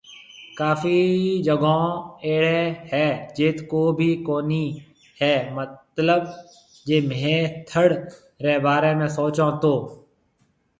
ڪافي جگون اهڙي هي جيٿ ڪو ڀي ڪونهي هي مطلب جي ميهه ٿڙ ري باري ۾ سوچون تو